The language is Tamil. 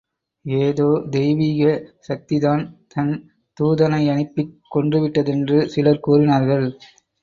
ஏதோ தெய்வீக சக்திதான் தன் தூதனையனுப்பிக் கொன்றுவிட்டதென்று சிலர் கூறினார்கள்.